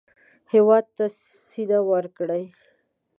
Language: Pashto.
هېواد ته سینه ورکړئ